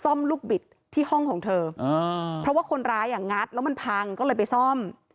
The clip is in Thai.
ลูกบิดที่ห้องของเธออ่าเพราะว่าคนร้ายอ่ะงัดแล้วมันพังก็เลยไปซ่อม